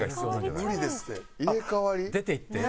無理ですって。